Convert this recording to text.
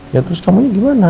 ya terus kamu ini gimana